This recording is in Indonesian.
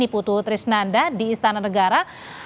putu trisnanda di istana negara